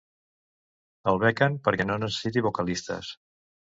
El bequen perquè no necessiti vocalistes.